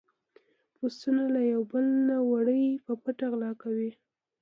پسونو له يو بل نه وړۍ په پټه غلا کولې.